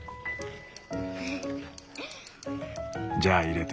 じゃあ入れて。